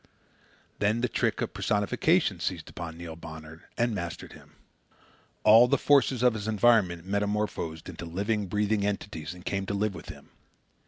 Then the trick of personification seized upon Neil Bonner and mastered him. All the forces of his environment metamorphosed into living, breathing entities and came to live with him.